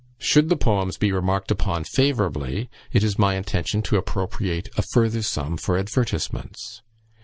"Should the poems be remarked upon favourably, it is my intention to appropriate a further sum for advertisements.